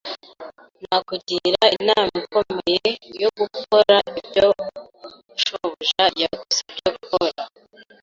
Nakugira inama ikomeye yo gukora ibyo shobuja yagusabye gukora.